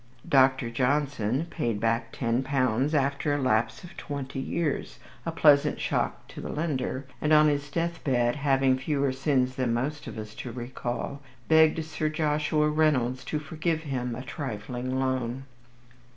Dr. Johnson paid back ten pounds after a lapse of twenty years, a pleasant shock to the lender, and on his death bed (having fewer sins than most of us to recall) begged Sir Joshua Reynolds to forgive him a trifling loan.